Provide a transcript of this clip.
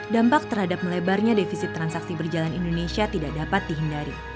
dampak terhadap melebarnya defisit transaksi berjalan indonesia tidak dapat dihindari